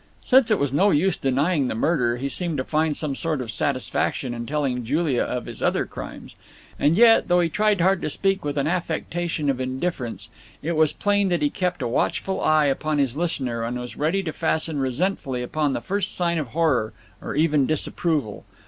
Since it was no use denying the murder, he seemed to find some sort of satisfaction in telling Julia of his other crimes. And yet, though he tried hard to speak with an affectation of indifference, it was plain that he kept a watchful eye upon his listener, and was ready to fasten resentfully upon the first sign of horror, or even disapproval.